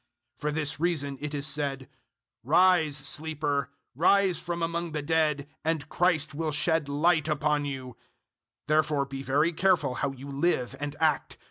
005:014 For this reason it is said, "Rise, sleeper; rise from among the dead, and Christ will shed light upon you." 005:015 Therefore be very careful how you live and act.